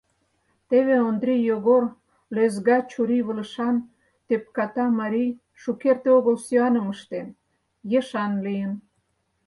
Теве Ондрий Йогор, лӧзга чурийвылышан, тӧпката марий, шукерте огыл сӱаным ыштен, ешан лийын.